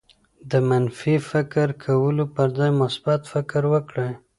د منفي فکر کولو پر ځای مثبت فکر وکړئ.